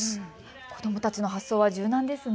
子どもたちの発想は柔軟ですね。